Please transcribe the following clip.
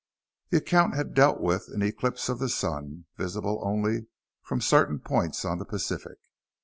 The account had dealt with an eclipse of the sun, visible only from certain points on the Pacific.